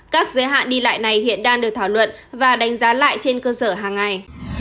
các giới hạn đi lại này hiện đang được thảo luận và đánh giá lại trên cơ sở hàng ngày